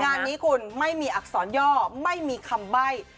งานนี้คุณไม่มีอักษรย่อไม่มีคำใบ้